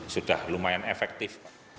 sudah lumayan efektif